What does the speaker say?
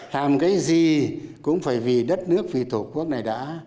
làm cái gì cũng phải vì đất nước vì tổ quốc này đã